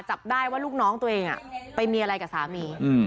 จับได้ว่าลูกน้องตัวเองไปมีอะไรกับสามี